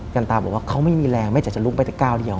กันตาบอกว่าเขาไม่มีแรงไม่แต่จะลุกไปแต่ก้าวเดียว